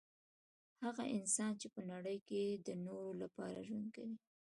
هغه انسان چي په نړۍ کي د نورو لپاره ژوند کوي